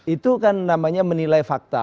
itu kan menilai fakta